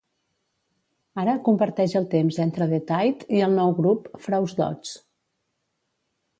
Ara comparteix el temps entre The Tyde i el nou grup Frausdots.